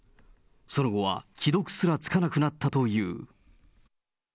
その後は既読すらつかなくなったという。